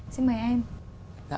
xin mời em